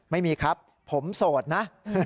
ไม่มีครับผมโสดนะ